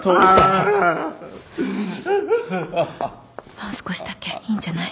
もう少しだけいいんじゃない？